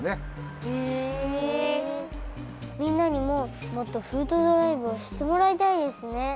みんなにももっとフードドライブをしってもらいたいですね。